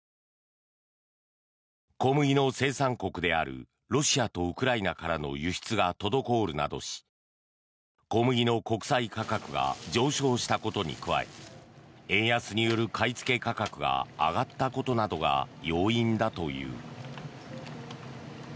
小麦の生産国であるロシアとウクライナからの輸出が滞るなどし小麦の国際価格が上昇したことに加え円安による買い付け価格が上がったことなどが要因だという。